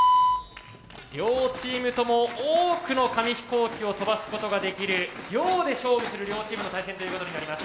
両チームとも多くの紙飛行機を飛ばすことができる量で勝負する両チームの対戦ということになります。